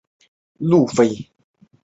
杜审言是诗人杜甫的祖父。